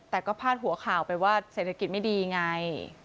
แต่ก็พาดหัวข่าวไปว่าเศรษฐกิจไม่ดีไง